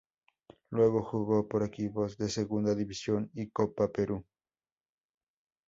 Luego jugó por equipos de Segunda División y Copa Perú.